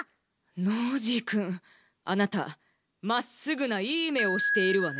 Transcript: ノージーくんあなたまっすぐないいめをしているわね。